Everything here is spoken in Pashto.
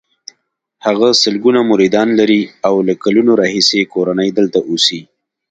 هغه سلګونه مریدان لري او له کلونو راهیسې یې کورنۍ دلته اوسي.